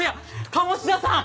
鴨志田さん！